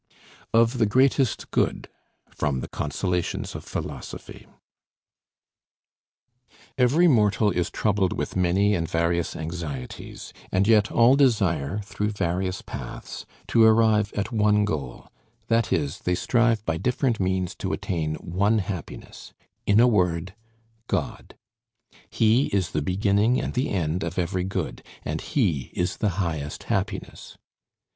OF THE GREATEST GOOD From the 'Consolations of Philosophy' Every mortal is troubled with many and various anxieties, and yet all desire, through various paths, to arrive at one goal; that is, they strive by different means to attain one happiness: in a word, God. He is the beginning and the end of every good, and he is the highest happiness.